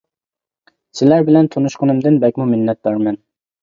سىلەر بىلەن تونۇشقىنىمدىن بەكمۇ مىننەتدار مەن.